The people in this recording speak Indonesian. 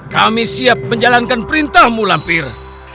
kami siap menjalankan perintahmu lampir